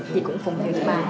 chị cũng phùng thể với bà